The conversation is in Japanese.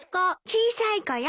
小さい子よ。